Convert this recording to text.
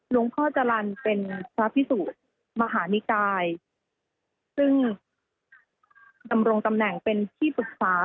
หลวงพ่อจรรย์เป็นพระพิสุมหานิกายซึ่งดำรงตำแหน่งเป็นที่ปรึกษา